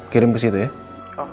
kirim ke situ ya